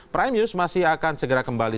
prime news masih akan segera kembali